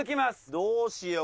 どうしよう？